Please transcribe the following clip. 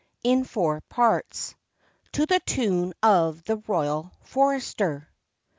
IN FOUR PARTS. To the tune of The Royal Forester.